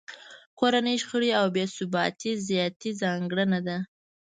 کورنۍ شخړې او بې ثباتۍ ذاتي ځانګړنه ده